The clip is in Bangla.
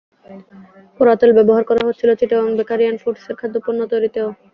পোড়া তেল ব্যবহার করা হচ্ছিল চিটাগাং বেকারি অ্যান্ড ফুডসের খাদ্যপণ্য তৈরিতেও।